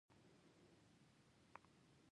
سوالګر د سوال شرم پټوي